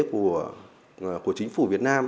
của chính phủ việt nam